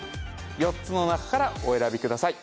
４つの中からお選びください